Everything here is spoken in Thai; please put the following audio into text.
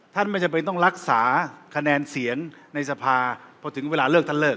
ไม่จำเป็นต้องรักษาคะแนนเสียงในสภาพอถึงเวลาเลิกท่านเลิก